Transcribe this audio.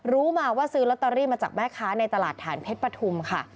รู้มาว่าซื้อลอตเตอรี่มาจากแม่ค้าในตลาดฐานเพชรปฐุมค่ะ